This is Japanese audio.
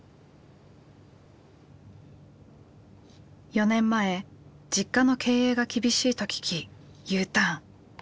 ４年前実家の経営が厳しいと聞きＵターン。